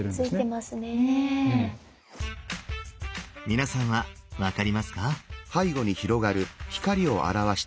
皆さんは分かりますか？